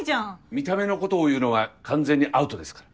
見た目のこと言うのは完全にアウトですから。